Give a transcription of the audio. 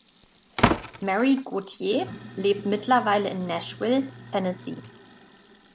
Mary Gauthier lebt mittlerweile in Nashville, Tennessee.